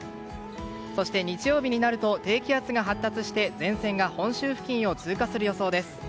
そして、日曜日になると低気圧が発達して前線が本州付近を通過する予想です。